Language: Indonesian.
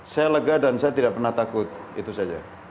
saya lega dan saya tidak pernah takut itu saja